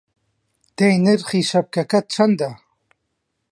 دەی نرخی شەپکەکەت چەندە!